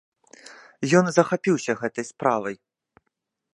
Ён захапіўся гэтай справай.